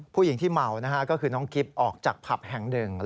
ผู้หญิงเมาคือน้องกิ๊บออกจากพับแห่งต่อการ